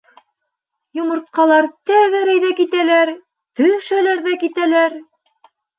Йомортҡалар тәгәрәй ҙә китәләр, төшәләр ҙә китәләр.